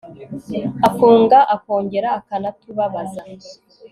afunga akongera akanatubabaza